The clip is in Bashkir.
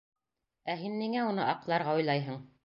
Ә һин ниңә уны аҡларға уйлайһың?